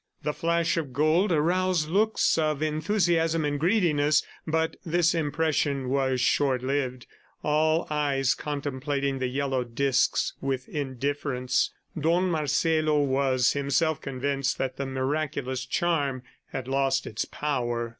The flash of gold aroused looks of enthusiasm and greediness, but this impression was short lived, all eyes contemplating the yellow discs with indifference. Don Marcelo was himself convinced that the miraculous charm had lost its power.